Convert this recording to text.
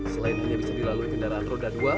selain hanya bisa dilalui kendaraan roda dua